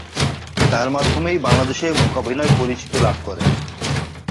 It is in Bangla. তার মাধ্যমেই বাংলাদেশে মূকাভিনয় পরিচিতি লাভ করে।